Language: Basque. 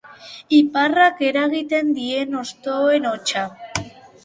Iparrak eragiten dien hostoen hotsa.